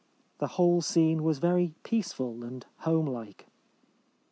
The whole scene was very peaceful and homelike.